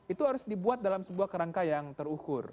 itu harus dibuat dalam sebuah kerangka yang terukur